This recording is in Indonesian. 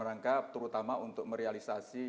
rangka terutama untuk merealisasi